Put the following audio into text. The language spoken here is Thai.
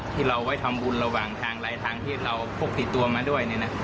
ที่เราไว้ทำบุญระหว่างทางลายทางที่เราพกติดตัวมาด้วย